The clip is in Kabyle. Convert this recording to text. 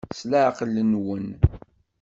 S leɛqel-nwen.